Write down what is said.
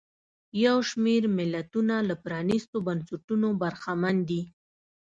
یو شمېر ملتونه له پرانیستو بنسټونو برخمن دي.